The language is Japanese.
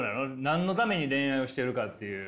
何のために恋愛をしてるかっていう。